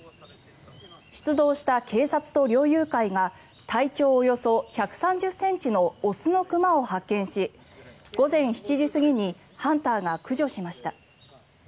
出動した警察と猟友会が体長およそ１３０ｃｍの雄の熊を発見し午前７時過ぎにハンターが駆除しました。